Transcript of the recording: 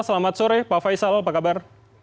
selamat sore pak faisal apa kabar